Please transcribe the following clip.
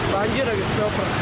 banjir lagi di proper